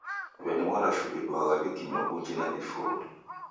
W'eni mwarashu w'iduagha wikinywa uji na vifuru.